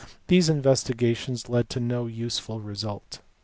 These investigations led to no useful result.